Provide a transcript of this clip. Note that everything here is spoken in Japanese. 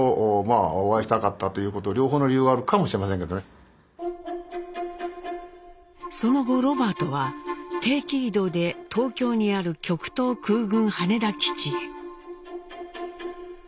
それからその後ロバートは定期異動で東京にある極東空軍羽田基地へ。